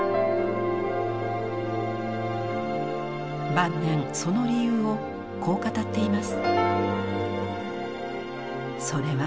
晩年その理由をこう語っています。